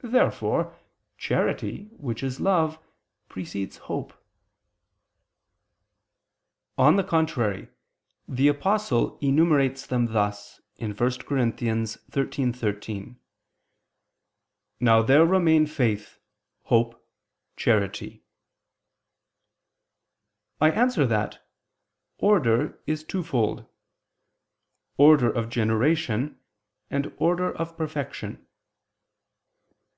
Therefore charity, which is love, precedes hope. On the contrary, The Apostle enumerates them thus (1 Cor. 13:13): "Now there remain faith, hope, charity." I answer that, Order is twofold: order of generation, and order of perfection.